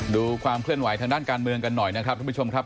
ดูความเคลื่อนไหวทางด้านการเมืองกันหน่อยนะครับท่านผู้ชมครับ